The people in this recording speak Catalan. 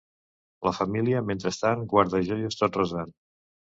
La família mentrestant guarda joies tot resant.